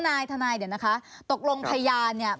ทนายเดี๋ยวนะคะตกลงพยานเนี่ย